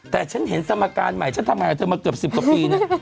แต่ฉันเห็นสมการใหม่ฉันทำงานกับเธอมาเกือบ๑๐กว่าปีนะ